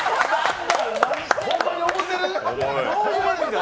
ホンマに思ってる？